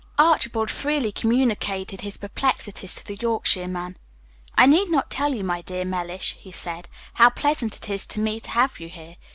Archibald freely communicated his perplexities to the Yorkshireman. "I need not tell you, my dear Mellish," he said, "how pleasant it is to me to have you here.